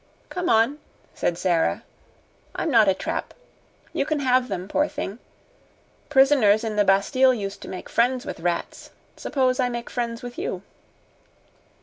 "Come on," said Sara; "I'm not a trap. You can have them, poor thing! Prisoners in the Bastille used to make friends with rats. Suppose I make friends with you."